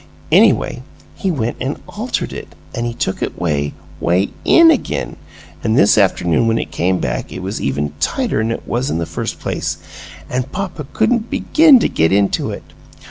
Anyway, he went an' altered it, an' he took it 'way, 'way IN again; an' this afternoon when it came back it was even tighter 'n what it was in the first place, an' papa couldn't BEGIN to get into it!